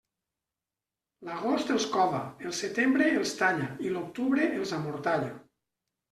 L'agost els cova, el setembre els talla i l'octubre els amortalla.